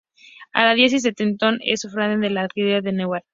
La Diócesis de Trenton es sufragánea de la Arquidiócesis de Newark.